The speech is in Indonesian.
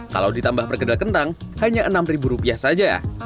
kalau ditambah pergedel kentang hanya enam rupiah saja